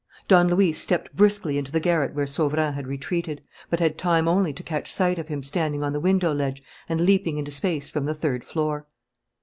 Don Luis stepped briskly into the garret where Sauverand had retreated, but had time only to catch sight of him standing on the window ledge and leaping into space from the third floor.